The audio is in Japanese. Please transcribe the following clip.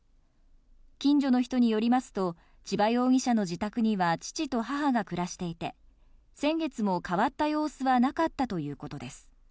近所の人によりますと、千葉容疑者の自宅には、父と母が暮らしていて、先月も変わった様子はなかったということです。